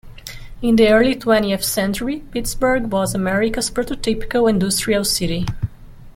In the early twentieth century Pittsburgh was America's prototypical industrial city.